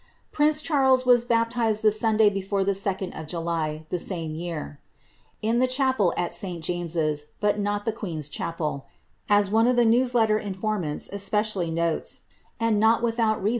'"* Prince Charles was baptized the Sunday before the 2d of July, the same year, ^^ in the chapel at St. James's, but not the queen's chapel," si one of the news letter informants' especially notes, and not withoot > Memoirs cf Henrietta Maria.